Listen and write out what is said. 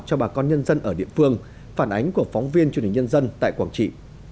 cho bà con nhân dân ở địa phương phản ánh của phóng viên truyền hình nhân dân tại quảng trị